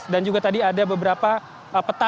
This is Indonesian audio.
dan juga tadi ada beberapa petang